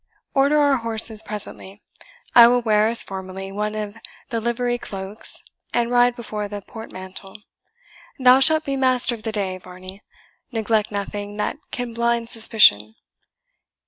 Order our horses presently; I will wear, as formerly, one of the livery cloaks, and ride before the portmantle. Thou shalt be master for the day, Varney neglect nothing that can blind suspicion.